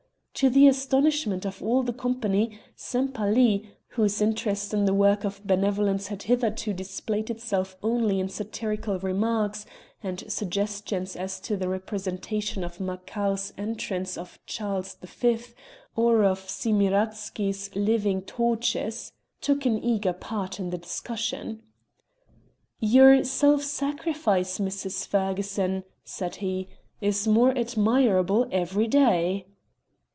To the astonishment of all the company Sempaly, whose interest in the work of benevolence had hitherto displayed itself only in satirical remarks, and suggestions as to the representation of Makart's 'entrance of Charles V.' or of Siemiradzky's 'living torches,' took an eager part in the discussion. "Your self sacrifice, Mrs. Ferguson," said he, "is more admirable every day."